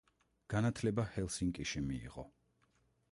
განათლება ჰელსინკიში მიიღო.